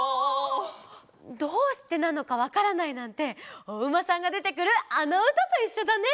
どうしてなのかわからないなんておうまさんがでてくるあのうたといっしょだね！